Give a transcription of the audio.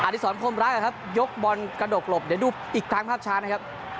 ดิสรพรมรักนะครับยกบอลกระดกหลบเดี๋ยวดูอีกครั้งภาพช้านะครับ